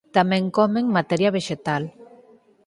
Tamén comen materia vexetal.